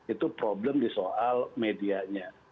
itu problem di soal medianya